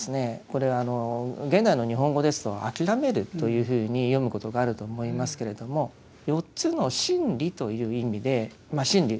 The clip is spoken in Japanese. これ現代の日本語ですと「諦める」というふうに読むことがあると思いますけれども四つの真理という意味で真理